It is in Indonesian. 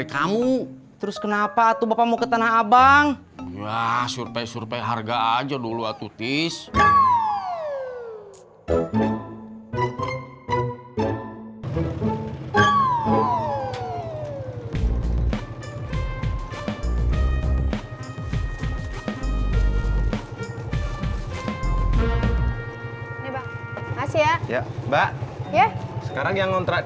sampai jumpa di video selanjutnya